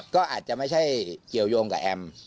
ก็อาจจะไม่ใช่เกี่ยวยงกับแอม